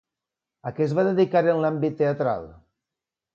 A què es va dedicar en l'àmbit teatral?